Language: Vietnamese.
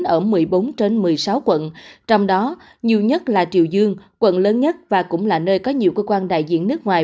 ở một mươi bốn trên một mươi sáu quận trong đó nhiều nhất là triều dương quận lớn nhất và cũng là nơi có nhiều cơ quan đại diện nước ngoài